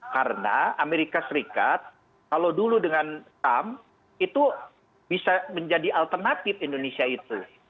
karena amerika serikat kalau dulu dengan trump itu bisa menjadi alternatif indonesia itu